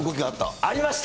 ありました。